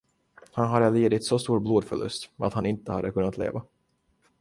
Han hade lidit så stor blodförlust att han inte hade kunnat leva.